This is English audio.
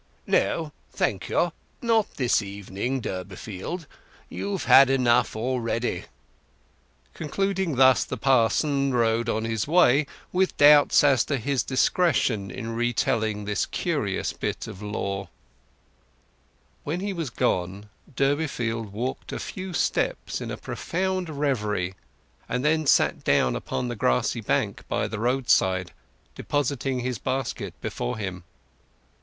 "No, thank you—not this evening, Durbeyfield. You've had enough already." Concluding thus, the parson rode on his way, with doubts as to his discretion in retailing this curious bit of lore. When he was gone, Durbeyfield walked a few steps in a profound reverie, and then sat down upon the grassy bank by the roadside, depositing his basket before him.